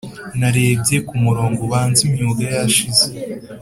narebye kumurongo ubaza imyuga yashize.